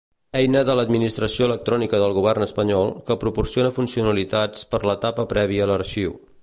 Eina de l’administració electrònica del Govern Espanyol, que proporciona funcionalitats per l’etapa prèvia a l’arxiu.